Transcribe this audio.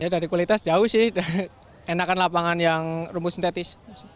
dari kualitas jauh sih enakan lapangan yang rumus sintetis